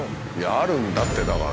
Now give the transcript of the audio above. あるんだってだから。